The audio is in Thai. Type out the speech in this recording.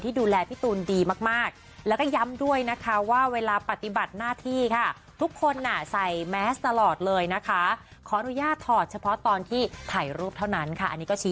ก่อนนะเพราะว่าอะไรตัวดราม่านั่นเองนะคะ